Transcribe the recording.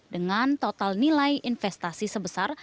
dengan total nilai investasi sebesar